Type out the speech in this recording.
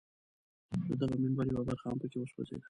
د دغه منبر یوه برخه هم په کې وسوځېده.